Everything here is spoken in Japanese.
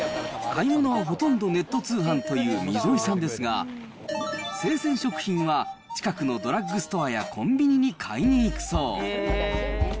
買い物はほとんどネット通販という溝井さんですが、生鮮食品は近くのドラッグストアやコンビニに買いに行くそう。